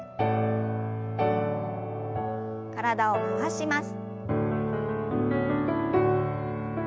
体を回します。